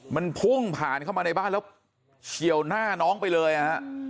มันพุ่งผ่านเข้ามาในบ้านแล้วเฉียวหน้าน้องไปเลยนะฮะ